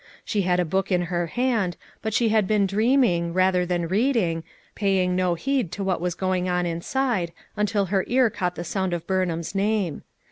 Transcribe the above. She had a book in her hand, but she had been dreaming, rather than reading, paying no heed to what was go ing on inside until her ear caught the sound of Burnham's name.